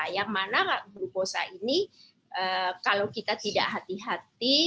yang mana glukosa ini kalau kita tidak hati hati